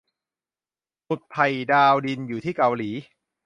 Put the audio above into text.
หมุดไผ่ดาวดินอยู่ที่เกาหลี